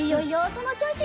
そのちょうし。